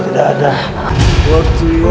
bapak sudah tidak ada